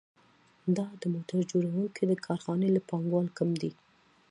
دا د موټر جوړونې د کارخانې له پانګوال کم دی